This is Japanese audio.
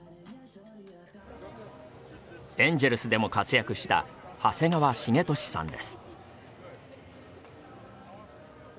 エンジェルスでも活躍した長谷川滋利さんです。